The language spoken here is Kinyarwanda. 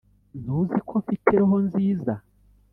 ntuzi ko mfite roho nziza